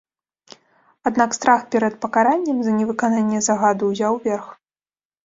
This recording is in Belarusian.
Аднак страх перад пакараннем за невыкананне загаду ўзяў верх.